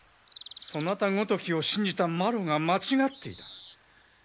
そなたごときを信じた麿が間違っていた。